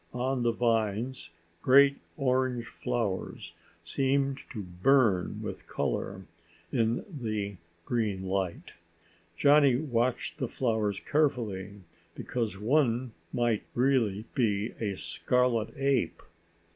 On the vines great orange flowers seemed to burn with color in the green light. Johnny watched the flowers carefully because one might really be a scarlet ape.